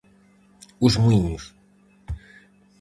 Os muíños.